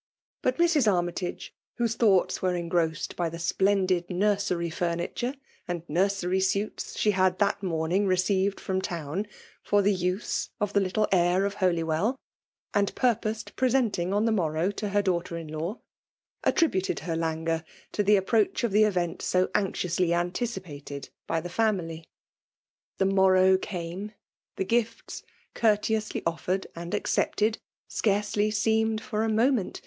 But Mi8» ArmytagOj whose thoughts were engrossed by die splendid nursery furniture and nursery suits she had that morning received from town fiir the me of the little heir of Holy well^ and faipoiaed presenting on the morrow to her daughter in law, attributed her languor to the approaeh of tbe event so anxiously anticipated by* the fs»ily. The morrow came; the gifts, courteously oflfoted and accepted, scarcely seemed for a moment.